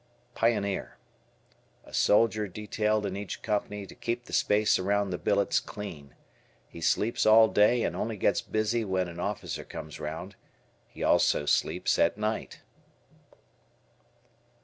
Pioneer. A soldier detailed in each company to keep the space around the billets clean. He sleeps all day and only gets busy when an officer comes round. He also sleeps at night.